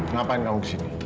ngapain kamu kesini